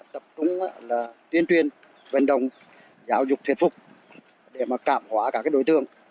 tập trung là tuyên truyền vận động giáo dục thiệt phục để mà cảm hóa các đối tượng